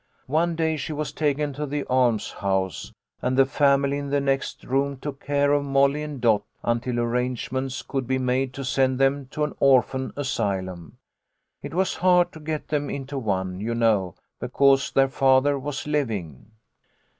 One day she was taken to the almshouse, and the family in the next room took care of Molly and Dot until arrangements could be made to send them to an orphan asylum. It was hard to get them into one, you know, because their father was living.